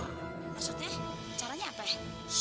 maksudnya caranya apa ya